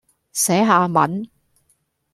寫下文